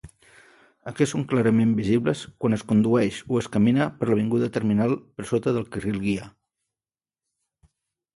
Aquests són clarament visibles quan es condueix o es camina per l'avinguda Terminal per sota del carril guia.